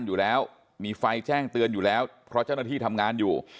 อยู่แล้วมีไฟแจ้งเตือนอยู่แล้วเพราะเจ้าหน้าที่ทำงานอยู่